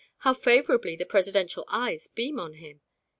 how favourably the presidential eyes beam on him!